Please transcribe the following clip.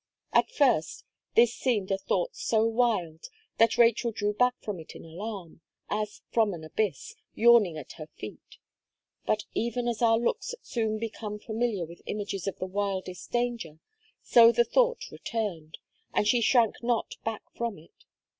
At first, this seemed a thought so wild, that Rachel drew back from it in alarm, as from an abyss yawning at her feet. But even as our looks soon become familiar with images of the wildest danger, so the thought returned; and she shrank not back from it.